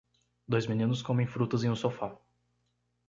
Dois meninos comem frutas em um sofá.